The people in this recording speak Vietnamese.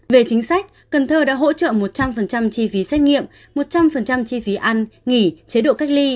về chính sách cần thơ đã hỗ trợ một trăm linh chi phí xét nghiệm một trăm linh chi phí ăn nghỉ chế độ cách ly